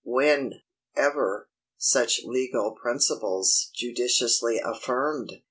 When, ever, such legal principles judicially affirmed?